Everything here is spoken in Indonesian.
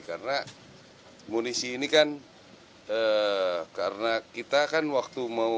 karena munisi ini kan karena kita kan waktu mau memasangnya